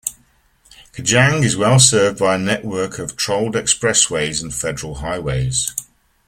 Kajang is well-served by a network of tolled expressways and federal highways.